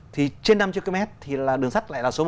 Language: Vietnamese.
thì trên năm trăm linh km thì đường sắt lại là số một